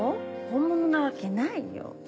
本物なわけないよ。